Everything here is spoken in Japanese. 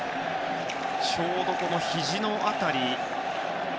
ちょうど、ひじの辺り。